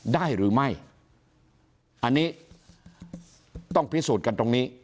ได้หรือไม่อันนี้ต้องพิสูจน์กันตรงนี้